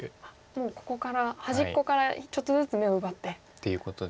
もうここから端っこからちょっとずつ眼を奪って。っていうことです。